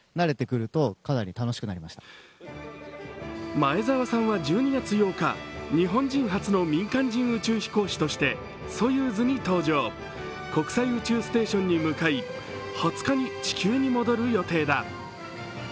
前澤さんは１２月８日、日本人初の民間人宇宙飛行士としてソユーズに搭乗、国際宇宙ステーションに向かい２０日に地球に戻る予定だ。